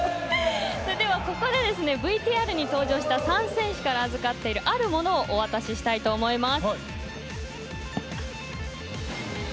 ここでＶＴＲに登場した３選手から預かっている、あるものをお渡ししたいと思います。